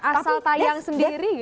asal tayang sendiri gitu